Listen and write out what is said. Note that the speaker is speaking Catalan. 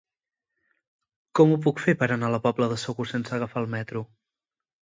Com ho puc fer per anar a la Pobla de Segur sense agafar el metro?